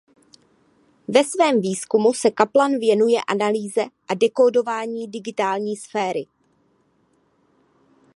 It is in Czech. Ve svém výzkumu se Kaplan věnuje analýze a dekódování digitální sféry.